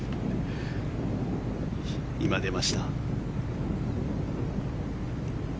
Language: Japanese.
今、出ました。